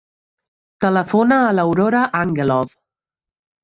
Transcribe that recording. Telefona a l'Aurora Angelov.